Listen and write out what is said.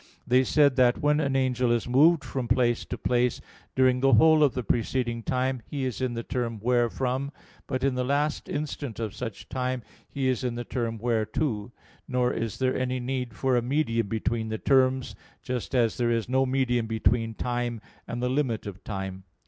They said that when an angel is moved from place to place, during the whole of the preceding time he is in the term wherefrom; but in the last instant of such time he is in the term whereto. Nor is there any need for a medium between the terms, just as there is no medium between time and the limit of time.